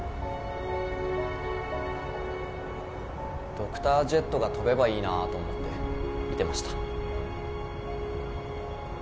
ドクタージェットが飛べばいいなと思って見てました。